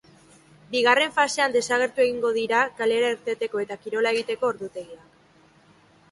Bigarren fasean desagertu egingo dira kalera irteteko eta kirola egiteko ordutegiak.